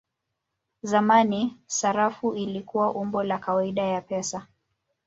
Zamani sarafu ilikuwa umbo la kawaida ya pesa.